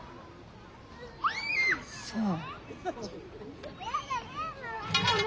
そう。